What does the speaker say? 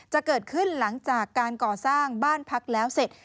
เกิดขึ้นหลังจากการก่อสร้างบ้านพักแล้วเสร็จ